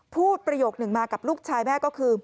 ประโยคนึงมากับลูกชายแม่ก็คือ